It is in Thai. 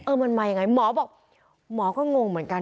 มันมายังไงหมอบอกหมอก็งงเหมือนกัน